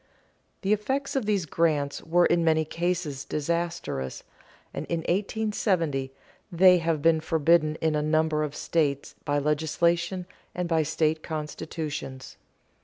The effects of these grants were in many cases disastrous, and since 1870 they have been forbidden in a number of states by legislation and by state constitutions.